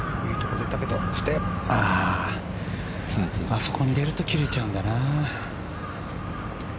あそこに出ると切れちゃうんだな。